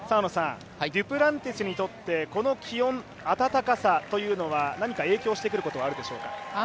デュプランティスにとってこの気温暖かさというのは何か影響してくることはあるでしょうか？